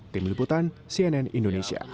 tim liputan cnn indonesia